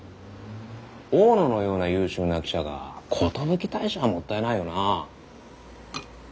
大野のような優秀な記者が寿退社はもったいないよなぁ。